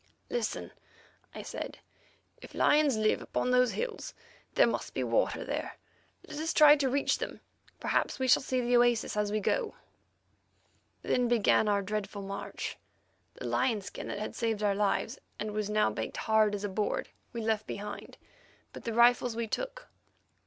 "Listen," I said; "if lions live upon those hills, there must be water there. Let us try to reach them; perhaps we shall see the oasis as we go." Then began our dreadful march. The lion skin that had saved our lives, and was now baked hard as a board, we left behind, but the rifles we took.